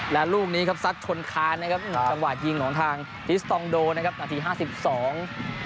และลูกนี้ครับซัดชนคานนะครับจังหวะยิงของทางทิสตองโดนะครับนาทีห้าสิบสอง